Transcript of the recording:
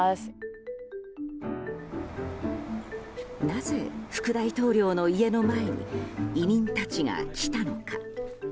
なぜ、副大統領の家の前に移民たちが来たのか。